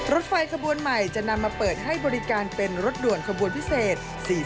รถไฟขบวนใหม่จะนำมาเปิดให้บริการเป็นรถด่วนขบวนพิเศษ